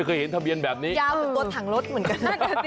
เคยเห็นทะเบียนแบบนี้ยาวเหมือนตัวถังรถเหมือนกัน